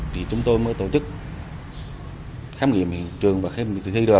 thì chúng tôi mới tổ chức khám nghiệm hiện trường và khám nghiệm tự thi được